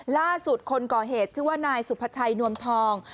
ล่าสุดคนก่อเหตุชื่อว่านายสุภาชัยนวมทอง